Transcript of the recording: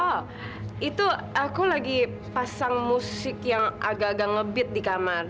oh itu aku lagi pasang musik yang agak agak ngebit di kamar